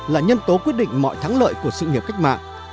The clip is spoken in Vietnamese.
là nhân tố quyết định mọi thắng lợi của sự nghiệp cách mạng